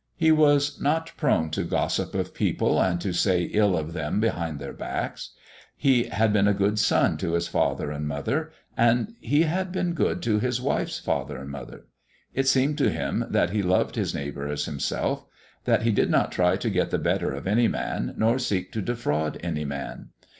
He was not prone to gossip of people and to say ill of them behind their backs. He had been a good son to his father and mother, and he had been good to his wife's father and mother. It seemed to him that he loved his neighbor as himself that he did not try to get the better of any man, nor seek to defraud any man.